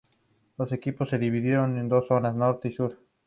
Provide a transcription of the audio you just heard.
Los equipos se dividieron en dos zonas, Norte y Sur.